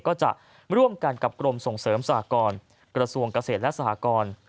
ก็จะร่วมกันกับกรมส่งเสริมสหกรกระทรวงเกษตรและสหกร